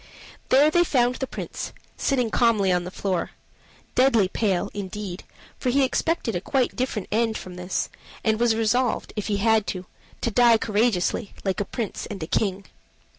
There they found the Prince, sitting calmly on the floor deadly pale, indeed, for he expected a quite different end from this, and was resolved, if he had to die, to die courageously, like a Prince and a King.